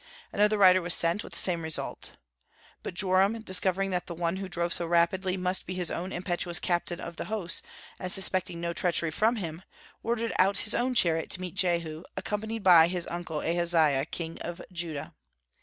Another rider was sent, with the same result. But Joram, discovering that the one who drove so rapidly must be his own impetuous captain of the host, and suspecting no treachery from him, ordered out his own chariot to meet Jehu, accompanied by his uncle Ahaziah, king of Judah.